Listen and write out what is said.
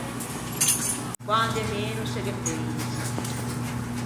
Quande meno se ghe pensa.